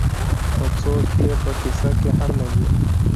خو څوک یې په کيسه کې هم نه دي.